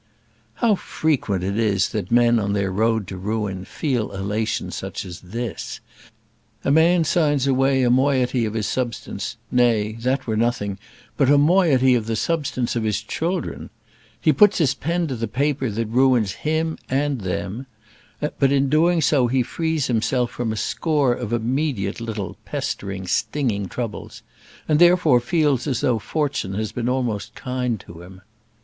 How frequent it is that men on their road to ruin feel elation such as this! A man signs away a moiety of his substance; nay, that were nothing; but a moiety of the substance of his children; he puts his pen to the paper that ruins him and them; but in doing so he frees himself from a score of immediate little pestering, stinging troubles: and, therefore, feels as though fortune has been almost kind to him.